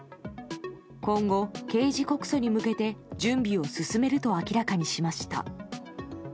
今後、刑事告訴に向けて準備を進めると明らかにしました。